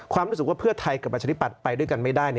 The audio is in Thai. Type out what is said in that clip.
ความรู้สึกว่าเพื่อไทยกับประชาธิปัตย์ไปด้วยกันไม่ได้